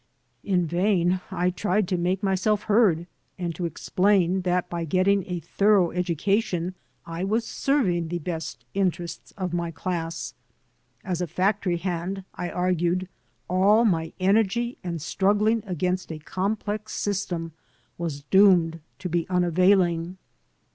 '* Li vain I tried to make myself heard and to explain that by getting a thorough education I was serving the best interests of my class. As a factory hand, I argued, all my energy and struggling against a complex system was doomed to be unavailing.